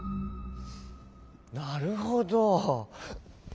なるほど。